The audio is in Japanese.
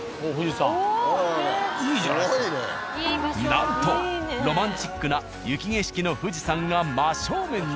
なんとロマンチックな雪景色の富士山が真正面に。